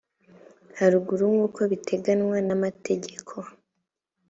haruguru nk uko biteganywa n amategeko